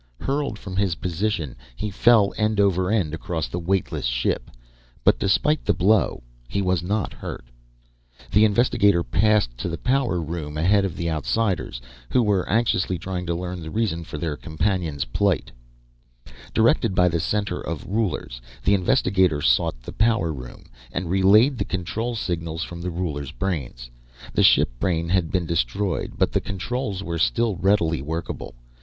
Hurled from his position, he fell end over end across the weightless ship, but despite the blow, he was not hurt. The investigator passed to the power room ahead of the Outsiders, who were anxiously trying to learn the reason for their companion's plight. [Illustration: Illustrated by MOREY] Directed by the Center of Rulers, the investigator sought the power room, and relayed the control signals from the Rulers' brains. The ship brain had been destroyed, but the controls were still readily workable.